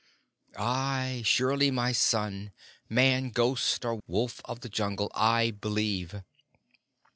"Ay, surely, my son. Man, ghost, or wolf of the Jungle, I believe."